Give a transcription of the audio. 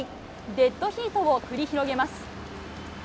デッドヒートを繰り広げます。